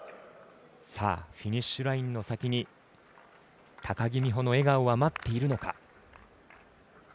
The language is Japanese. フィニッシュラインの先に高木美帆の笑顔は待っているのか。